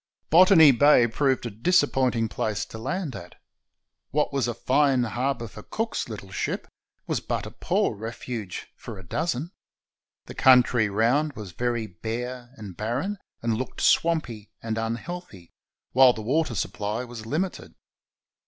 Botany Bay proved a disappointing place to land at. What was a fine harbor for Cook's little ship was but a poor refuge for a dozen. The country round was very bare and barren, and looked swampy and unhealthy, while the water supply was limited.